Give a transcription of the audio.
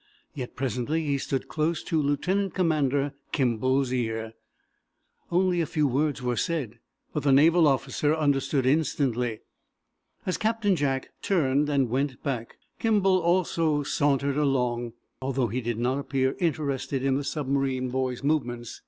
Yet, presently, stood close to Lieutenant Commander Kimball's ear. Only a few words were said, but the naval officer understood instantly. As Captain Jack turned and went back, Kimball also sauntered along, although he did not appear interested in the submarine boy's movements.